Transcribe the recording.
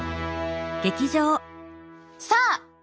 さあ！